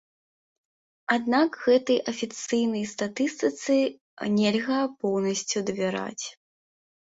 Аднак гэтай афіцыйнай статыстыцы нельга поўнасцю давяраць.